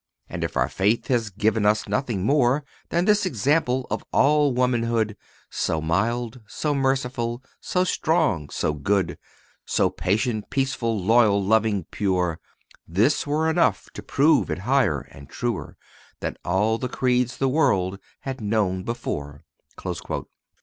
And if our faith had given us nothing more Than this example of all womanhood, So mild, so merciful, so strong, so good, So patient, peaceful, loyal, loving, pure, This were enough to prove it higher and truer Than all the creeds the world had known before."